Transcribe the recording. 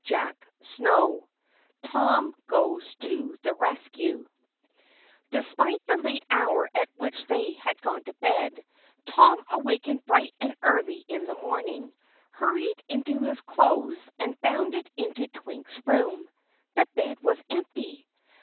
CHAPTER 13 Tom Goes to the Rescue Despite the late hour at which they had gone to bed, Tom awakened bright and early in the morning, hurried into his clothes and bounded into Twink's room. The bed was empty!